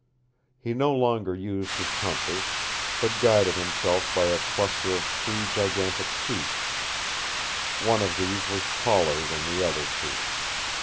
He no longer used his compass, but guided himself by a cluster of three gigantic peaks. One of these was taller than the other two.